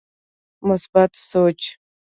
مثبت سوچ